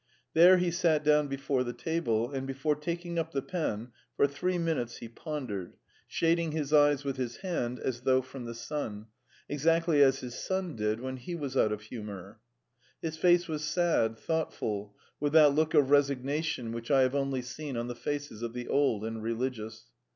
There he sat down before the table, and, before taking up the pen, for three minutes he pondered, shading his eyes with his hand as though from the sun exactly as his son did when he was out of humour. His face was sad, thoughtful, with that look of resignation which I have only seen on the faces of the old and religious.